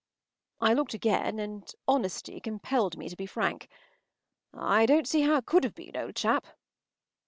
” I looked again, and honesty compelled me to be frank. “I don’t see how it could have been, old chap.